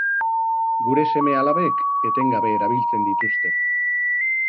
Gure seme-alabek etengabe erabiltzen dituzte.